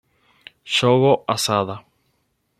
Shogo Asada